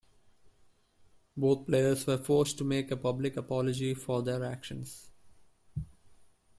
Both players were forced to make a public apology for their actions.